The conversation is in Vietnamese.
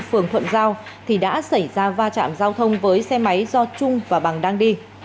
phường thuận giao thì đã xảy ra va chạm giao thông với xe máy do trung và bằng đang đi